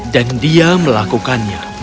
dan dia melakukannya